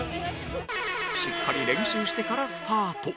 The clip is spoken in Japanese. しっかり練習してからスタート